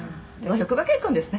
「職場結婚ですね。